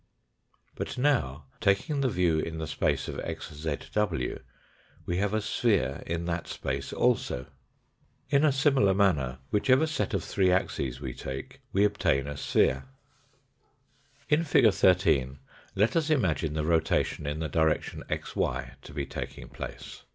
But now, taking the view in the space of xzw. we have a sphere in that space also. In a similar manner, whichever set of three axes we take, we obtain a sphere. p' Showing axes xyz y Fig. 13 (141). Fig. 14 (142). In fig. 13, let us imagine the rotation in the direction xy to be taking place.